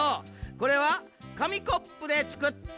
これはかみコップでつくった。